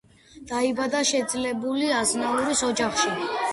დაიბადა შეძლებული აზნაურის ოჯახში.